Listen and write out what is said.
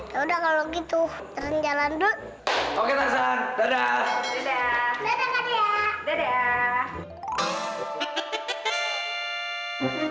yaudah kalo gitu tarzan jalan dulu